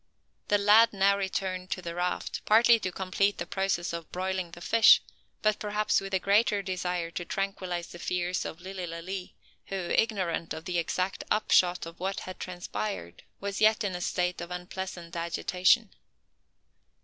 The lad now returned to the raft, partly to complete the process of broiling the fish; but perhaps with a greater desire to tranquillise the fears of Lilly Lalee, who, ignorant of the exact upshot of what had transpired, was yet in a state of unpleasant agitation.